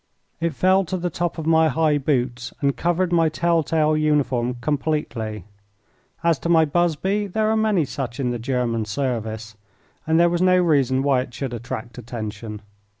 It fell to the top of my high boots, and covered my tell tale uniform completely. As to my busby, there are many such in the German service, and there was no reason why it should attract attention.